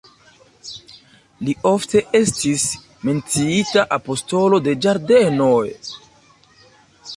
Li ofte estis menciita "apostolo de ĝardenoj.